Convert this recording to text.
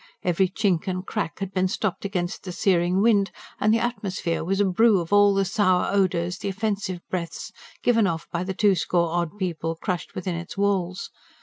Every chink and crack had been stopped against the searing wind; and the atmosphere was a brew of all the sour odours, the offensive breaths, given off by the two score odd people crushed within its walls.